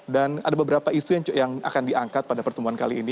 dan ada beberapa isu yang akan diangkat pada pertemuan kali ini